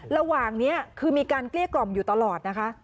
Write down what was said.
ระหว่างนี้คือมีการเกลี้ยกล่อมอยู่ตลอดนะคะ